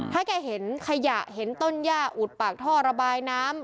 ถ้าแกเห็นขยะเห็นต้นย่าอุดปากท่อระบายน้ำ